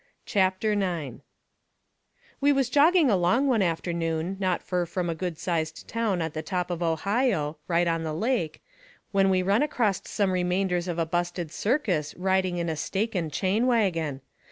CHAPTER IX We was jogging along one afternoon not fur from a good sized town at the top of Ohio, right on the lake, when we run acrost some remainders of a busted circus riding in a stake and chain wagon.